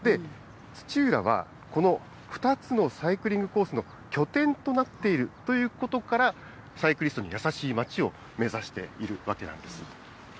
土浦はこの２つのサイクリングコースの拠点となっているということから、サイクリストに優しい街を目指しているわけなんです。